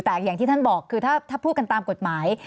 แต่อย่างที่ท่านบอกคือถ้าพูดกันตามกฎหมาย